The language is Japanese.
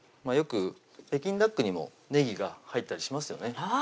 よく北京ダックにもねぎが入ったりしますよね